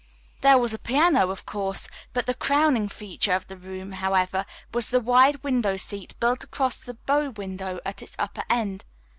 There was a piano, of course, but the crowning feature of the room, however, was the wide window seat built across the bow window at its upper end.